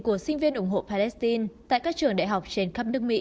của sinh viên ủng hộ palestine tại các trường đại học trên khắp nước mỹ